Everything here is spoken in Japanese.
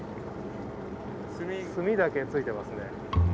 墨だけついてますね。